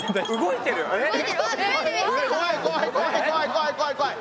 怖い怖い怖い。